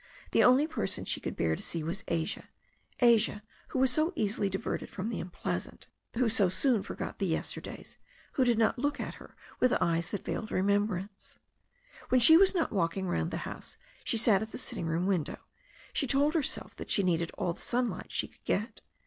The only person she could bear to see was Asia, Asia who was so easily diverted from the unpleasant, who so soon forgot the yesterdays, who did not look at her with eyes that veiled remembrance. When she was not walking round the house she sat at the sitting room window. She told herself that she needed all the sunlight she could get.